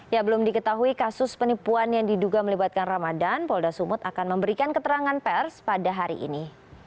ya belum diketahui kasus penipuan yang diduga melibatkan ramadhan polda sumut akan memberikan keterangan pers pada hari ini